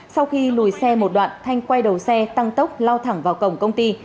sau khi lùi xe một đoạn thanh quay đầu xe tăng tốc lao thẳng vào cổng công ty